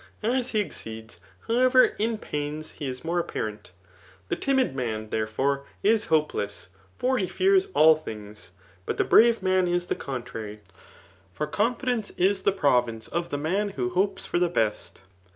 As he exceeds, however, in pains, he is more apparent. Hie timid man, therefore, is hope less ; for he fears all things. But the brare man is the contrary ; for confidence is the province of the man who hopes for the best.